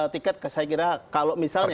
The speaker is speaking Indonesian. tiket saya kira kalau misalnya